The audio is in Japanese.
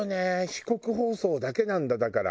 四国放送だけなんだだから。